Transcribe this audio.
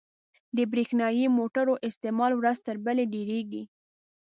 • د برېښنايي موټرو استعمال ورځ تر بلې ډېرېږي.